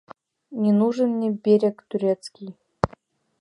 Не нужен мне берег турецкий